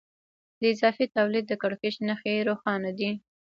د اضافي تولید د کړکېچ نښې روښانه دي